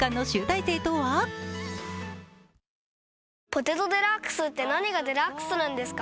「ポテトデラックス」って何がデラックスなんですか？